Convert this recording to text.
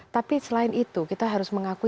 tapi selain itu kita harus mengakui